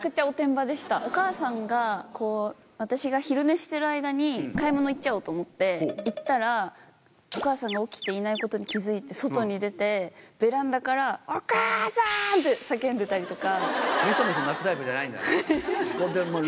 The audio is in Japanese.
お母さんが私が昼寝してる間に買い物行っちゃおうと思って行ったらお母さんが起きていないことに気付いて外に出てベランダから。って叫んでたりとか。